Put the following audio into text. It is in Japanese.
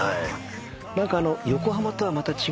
何か横浜とはまた違ったね